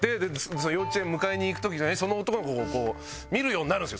幼稚園迎えに行く時とかにその男の子を見るようになるんすよ